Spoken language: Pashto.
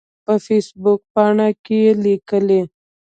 په فیسبوک پاڼه کې کې لیکلي